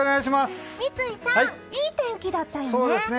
三井さん、いい天気だったよね。